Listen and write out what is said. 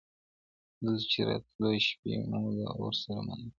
دلته چې راتلو شپې مو د اور سره منلي وې